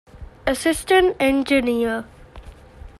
އެސިސްޓެންޓް އެންޖިނިއަރ